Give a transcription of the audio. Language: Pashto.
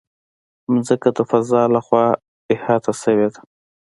مځکه د فضا له خوا احاطه شوې ده.